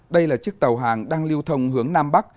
đây là chiếc tàu hàng đang lưu thông hướng nam bắc